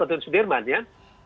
dan sudirman ya